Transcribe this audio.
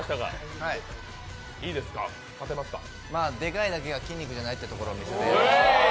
でかいだけが筋肉じゃないってところ見せます。